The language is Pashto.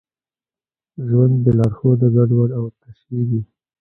ژوند بېلارښوده ګډوډ او تشېږي.